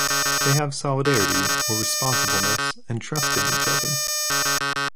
They have solidarity, or responsibleness, and trust in each other.